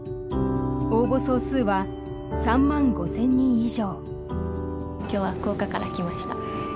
応募総数は３万５，０００人以上。